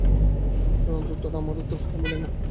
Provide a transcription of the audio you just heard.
কিন্তু চূড়ান্ত উত্তর আমার উত্তরের সাথে মিলেই না।